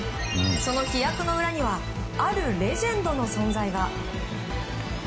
その飛躍の裏にはあるレジェンドの存在が。